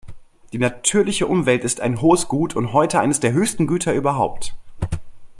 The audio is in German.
Die natürliche Umwelt ist ein hohes Gut und heute eines der höchsten Güter überhaupt.